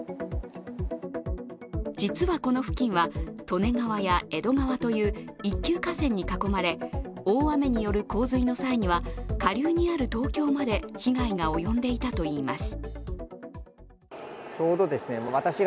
実はこの付近は、利根川や江戸川という一級河川に囲まれ、大雨による洪水の際には下流にある東京まで被害が及んでいたといいます。